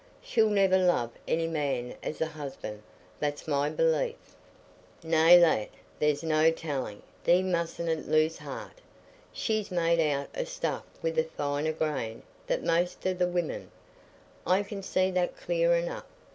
She'll never love any man as a husband—that's my belief." "Nay, lad, there's no telling; thee mustna lose heart. She's made out o' stuff with a finer grain than most o' the women; I can see that clear enough.